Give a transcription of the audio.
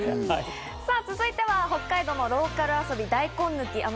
さあ続いては、北海道のローカル遊び、大根抜き。